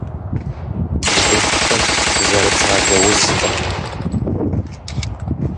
Лышхыр зэрыцӀалэ узкъым.